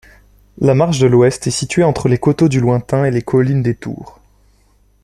La Marche-de-l'Ouest est située entre les Coteaux du Lointain et les Collines des Tours.